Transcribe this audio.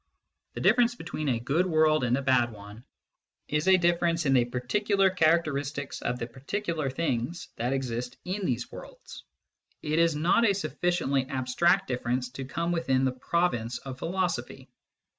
The difference between a good world and a bad one is a difference in the particular character istics of the particular things that exist in these worlds : it is not a sufficiently abstract difference to come within the province of philosophy.